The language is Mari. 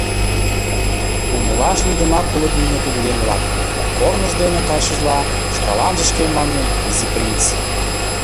«Умылаш лийдымак улыт нине кугыеҥ-влак», — корныж дене кайышыжла, шкаланже шке мане Изи принц.